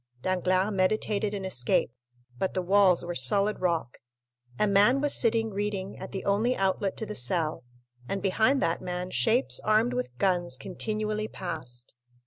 Danglars meditated an escape; but the walls were solid rock, a man was sitting reading at the only outlet to the cell, and behind that man shapes armed with guns continually passed.